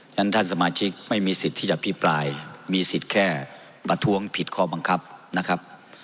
ท่านสมาชิกไม่มีสิทธิ์ที่จะอภิปรายมีสิทธิ์แค่ประท้วงผิดข้อบังคับนะครับ